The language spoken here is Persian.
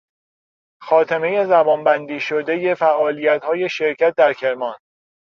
خاتمهی زمانبندی شدهی فعالیتهای شرکت در کرمان